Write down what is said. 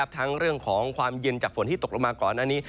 ทั้งเรื่องของความเย็นจากฝนที่ตกลงมาก่อนหน้านี้